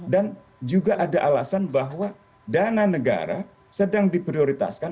dan juga ada alasan bahwa dana negara sedang diprioritaskan